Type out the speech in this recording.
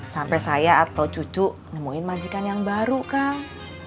sampai saya atau cucu nemuin majikan yang baru kang